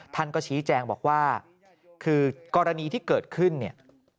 ท่านก็ชี้แจงบอกว่าคือกรณีที่เกิดขึ้นเนี่ย